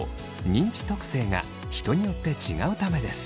認知特性が人によって違うためです。